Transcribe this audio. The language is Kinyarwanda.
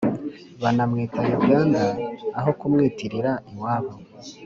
Banamwita Yuganda aho kumwtirira iwabo